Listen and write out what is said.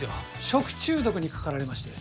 食中毒にかかられまして。